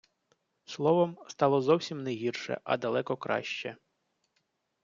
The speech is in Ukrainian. Словом, стало зовсім не гірше, а далеко краще.